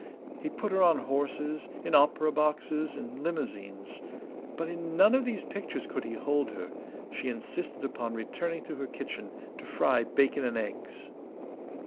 He put her on horses, in opera boxes, in limousines. But in none of these pictures could he hold her; she insisted upon returning to her kitchen to fry bacon and eggs.